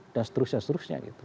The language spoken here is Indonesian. dan seterusnya seterusnya gitu